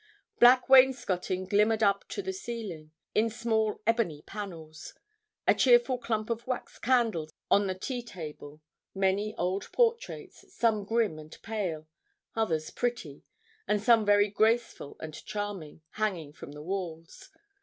Black wainscoting glimmered up to the ceiling, in small ebony panels; a cheerful clump of wax candles on the tea table; many old portraits, some grim and pale, others pretty, and some very graceful and charming, hanging from the walls.